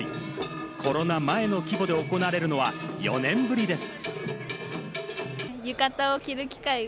コロナ前の規模で行われるのは４年ぶりです。